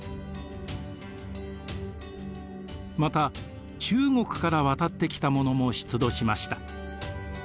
また中国から渡ってきたものも出土しました。